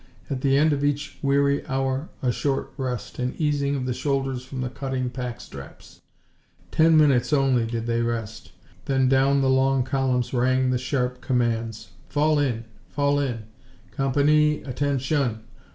At the end of each weary hour a short rest, an easing of the shoulders from the cutting pack straps. Ten minutes only did they rest. Then down the long columns rang the sharp commands, "Fall in. Fall in! ... Com pan ee ... Atten shun!